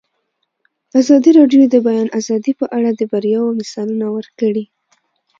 ازادي راډیو د د بیان آزادي په اړه د بریاوو مثالونه ورکړي.